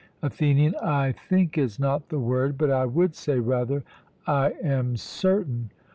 ATHENIAN: 'I think' is not the word, but I would say, rather, 'I am certain.'